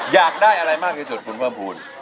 อยากได้อะไรมากที่สุดคุณเพิ่มภูมิ